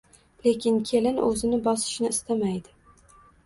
Lekin kelin o`zini bosishni istamaydi